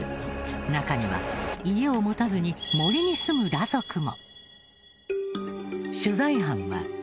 中には家を持たずに森に住む裸族も。